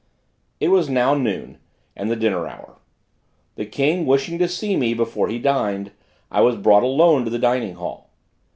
It was now noon, and the dinner hour. The king wishing to see me before he dined, I was brought alone to the dining hall.